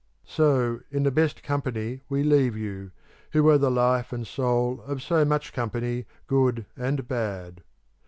So in the best company we leave you, who were the life and soul of so much company, good and bad.